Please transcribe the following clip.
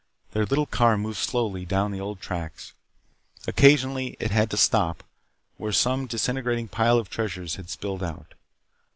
Their little car moved slowly down the old tracks. Occasionally it had to stop, where some disintegrating pile of treasures had spilled out.